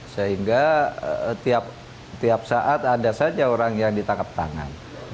sehingga tiap saat ada saja orang yang ditangkap tangan